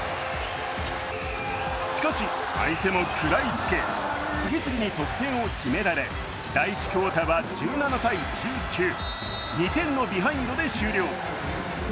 しかし、相手も食らいつき、次々に得点を決められ第１クオーターは１７−１９、２点のビハインドで終了。